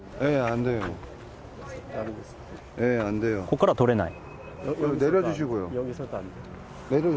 ここからは撮れない？